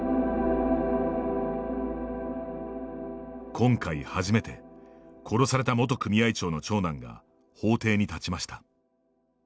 今回、初めて殺された元組合長の長男が法廷に立ちました。